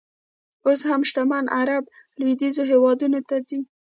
اوس هم شتمن عر ب لویدیځو هېوادونو ته ځي.